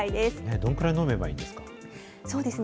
どのくらい飲めばいいんですか。